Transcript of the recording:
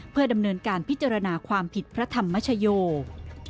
เพื่อดำเนินการพิจารณาความผิดพระธรรมชโยค